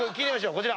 こちら。